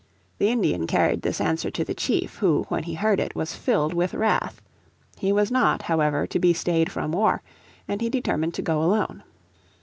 The Indian carried this answer to the Chief who, when he heard it, was filled with wrath. He was not, however, to be stayed from war, and he determined to go alone.